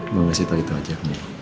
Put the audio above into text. mau ngasih tau gitu aja